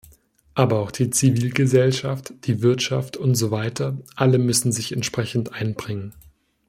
Aber auch die Zivilgesellschaft, die Wirtschaft und so weiter, alle müssen sich entsprechend einbringen.